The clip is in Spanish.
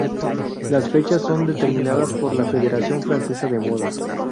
Las fechas son determinadas por la Federación Francesa de Moda.